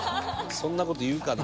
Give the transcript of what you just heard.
そんな事言うかな？